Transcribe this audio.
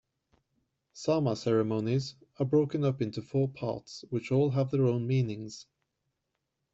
Sama ceremonies are broken up into four parts which all have their own meanings.